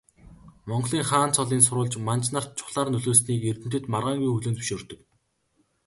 Монголын хаан цолын сурвалж манж нарт чухлаар нөлөөлснийг эрдэмтэд маргаангүй хүлээн зөвшөөрдөг.